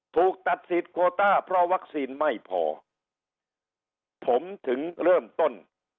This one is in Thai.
ถูกตัดสิทธิ์โคต้าเพราะวัคซีนไม่พอผมถึงเริ่มต้น